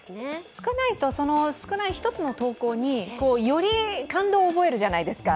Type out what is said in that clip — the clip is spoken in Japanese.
少ないと、その少ない１つの投稿に、より感動を覚えるじゃないですか。